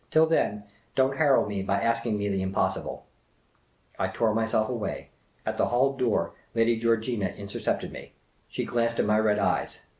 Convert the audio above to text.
Till then, don't harrow me by asking me the impossible !" I tore myself away. At the hall door, Lady Georgina in tercepted me. She glanced at my red eyes.